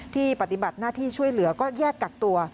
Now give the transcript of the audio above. ปฏิบัติหน้าที่ช่วยเหลือก็แยกกักตัว